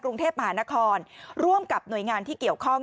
กรุงเทพมหานครร่วมกับหน่วยงานที่เกี่ยวข้อง